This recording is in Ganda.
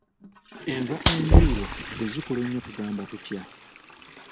Enva endiirwa bwe zikula ennyo tugamba tutya?